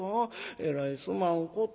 えらいすまんこと。